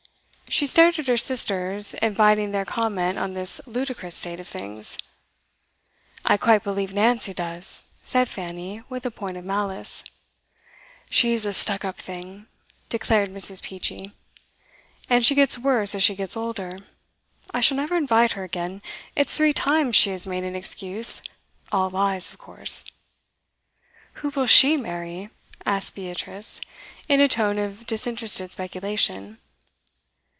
She stared at her sisters, inviting their comment on this ludicrous state of things. 'I quite believe Nancy does,' said Fanny, with a point of malice. 'She's a stuck up thing,' declared Mrs. Peachey. 'And she gets worse as she gets older. I shall never invite her again; it's three times she has made an excuse all lies, of course. 'Who will she marry?' asked Beatrice, in a tone of disinterested speculation.